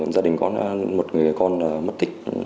gia đình có một người con mất tích